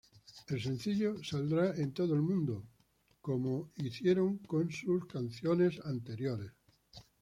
El sencillo saldrá en todo el mundo, como hicieron sus antecesores canciones.